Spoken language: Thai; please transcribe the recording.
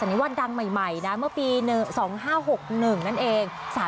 แต่นี่ว่าดังใหม่นะเมื่อปี๒๕๖๑นั่นเอง